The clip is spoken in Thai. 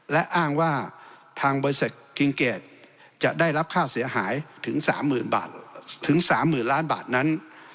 และอ้างว่าทางบริษัทกิงเกดจะได้รับค่าเสียหายถึง๓๐๐๐บาทถึง๓๐๐๐ล้านบาทนั้น